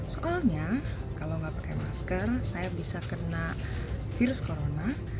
soalnya kalau nggak pakai masker saya bisa kena virus corona